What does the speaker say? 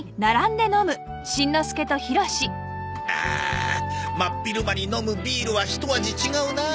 ああ真っ昼間に飲むビールはひと味違うなあ！